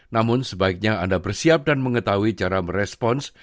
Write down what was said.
namun sebaiknya anda bersiap dan mengetahui cara merespons